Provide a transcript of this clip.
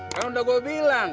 kan udah gue bilang